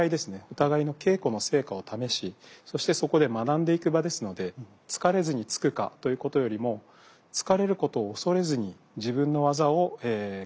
お互いの稽古の成果を試しそしてそこで学んでいく場ですので突かれずに突くかということよりも突かれることを恐れずに自分の技を繰り出していく。